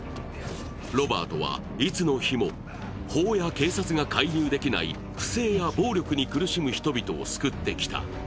ロバートはいつの日も法や警察が介入できない不正や暴力に苦しむ人々を救ってきた。